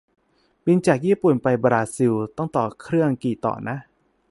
บินจากญี่ปุ่นไปบราซิล ต้องต่อเครื่องกี่ต่อนะ